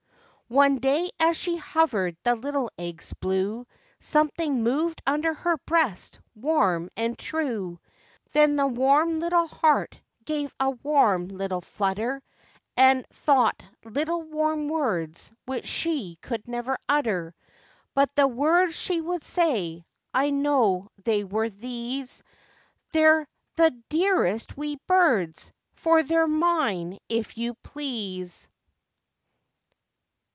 One day as she hovered the little eggs blue, Something moved under her breast warm and true, Then the warm little heart gave a warm little flutter, And thought little warm words which ,she never could utter But the words she would say I know they were these— "They're the dearest wee birds, For they're mine, if you please."